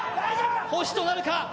星となるか。